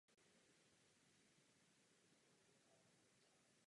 V této době začal být také překládán.